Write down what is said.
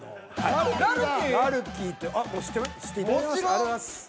ありがとうございます。